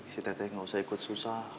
si teh teh gak usah ikut susah